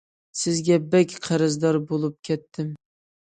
سىزگە بەك قەرزدار بولۇپ كەتتىم.